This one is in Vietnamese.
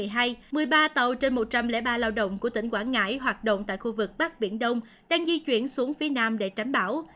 một mươi ba tàu trên một trăm linh ba lao động của tỉnh quảng ngãi hoạt động tại khu vực bắc biển đông đang di chuyển xuống phía nam để tránh bão